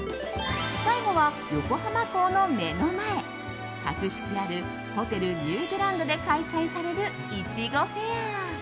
最後は横浜港の目の前格式あるホテルニューグランドで開催される、いちごフェア。